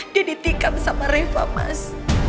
dia ditikam sama reva mas